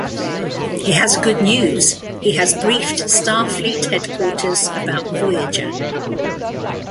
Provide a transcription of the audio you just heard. He has good news, he has briefed Starfleet Headquarters about "Voyager".